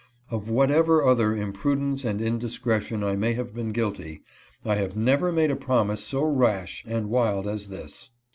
Of whatever other imprudence and indiscretion I may have been guilty, I have never made a promise so rash and wild as this.